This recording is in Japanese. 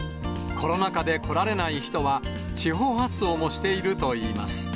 コロナ禍で来られない人は、地方発送もしているといいます。